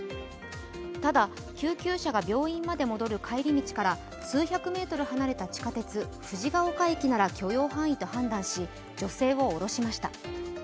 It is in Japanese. ただ、救急車が病院まで戻る帰り道から数百メートル離れた地下鉄、藤が丘駅なら許容範囲と判断し、女性を降ろしました。